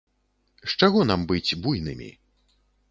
З чаго нам быць буйнымі?